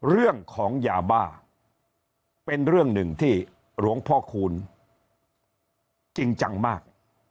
เรื่องของยาบ้าเป็นเรื่องหนึ่งที่หลวงพ่อคูณจริงจังมาก